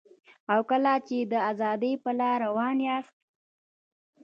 او کله چي د ازادۍ په لاره روان یاست